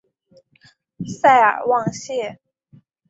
塞尔旺谢。